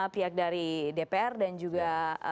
pihak dari dpr dan juga